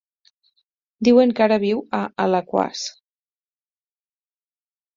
Diuen que ara viu a Alaquàs.